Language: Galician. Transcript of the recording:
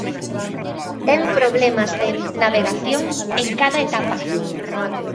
Ten problemas de navegación en cada etapa.